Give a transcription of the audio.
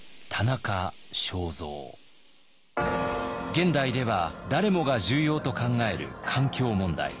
現代では誰もが重要と考える環境問題。